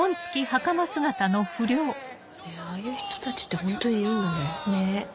ああいう人たちってホントにいるんだね。ねぇ。